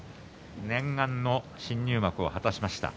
念願の新入幕を果たしました。